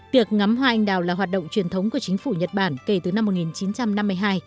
ti ngắm hoa anh đào là hoạt động truyền thống của chính phủ nhật bản kể từ năm một nghìn chín trăm năm mươi hai